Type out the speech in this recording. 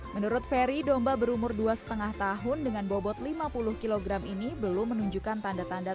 menurut ferry domba berumur dua lima tahun dengan bobot lima puluh kg ini belum menunjukkan tanda tanda